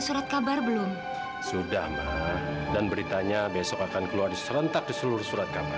surat kabar belum sudah mbak dan beritanya besok akan keluar serentak di seluruh surat kabar